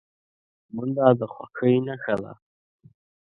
منډه د خوښۍ نښه ده